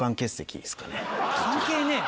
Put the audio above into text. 関係ねえ！